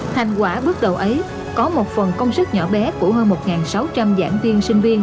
thành quả bước đầu ấy có một phần công sức nhỏ bé của hơn một sáu trăm linh giảng viên sinh viên